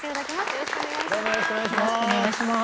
よろしくお願いします。